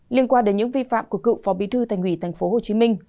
liên quan đến những vi phạm của cựu phó bí thư tài nghủy tp hcm